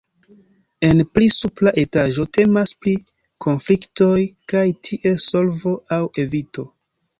En pli supra etaĝo temas pri konfliktoj kaj ties solvo aŭ evito.